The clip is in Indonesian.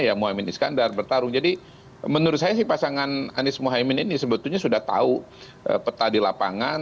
ya mohaimin iskandar bertarung jadi menurut saya sih pasangan anies mohaimin ini sebetulnya sudah tahu peta di lapangan